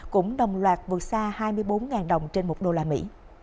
cũng đồng loạt vượt xa hai mươi bốn đồng trên một đô la mỹ